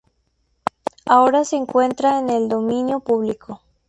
Ahora se encuentra en el dominio público.